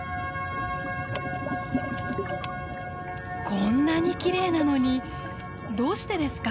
こんなにきれいなのにどうしてですか？